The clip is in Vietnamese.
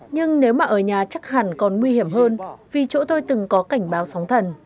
nhưng nếu mà ở nhà chắc hẳn còn nguy hiểm hơn vì chỗ tôi từng có cảnh báo sóng thần